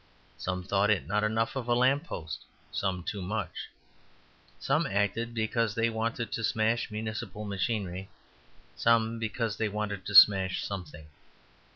Some thought it not enough of a lamp post, some too much; some acted because they wanted to smash municipal machinery; some because they wanted to smash something.